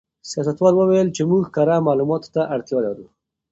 سیاستوال وویل چې موږ کره معلوماتو ته اړتیا لرو.